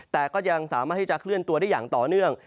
แต่ก็ยังสามารถที่จะเคลื่อนตัวได้อย่างต่อเนื่อง